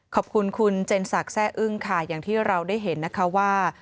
ขอบคุณคุณเจนศักดิ์แซ่อึ้งค่ะอย่างที่เราได้เห็นนะคะว่า